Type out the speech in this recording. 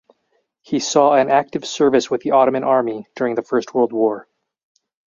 He saw an active service with the Ottoman army during First World War.